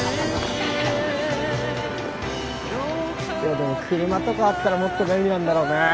でも車とかあったらもっと便利なんだろうね。